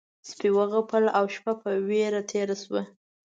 سپي وغپل او شپه په وېره تېره شوه.